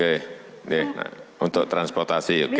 oke untuk transportasi oke